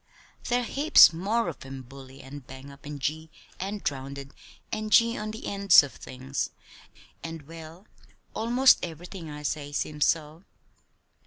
"There's heaps more of 'em; 'bully' and 'bang up' and 'gee' and 'drownded' and 'g' on the ends of things, and well, almost everything I say, seems so."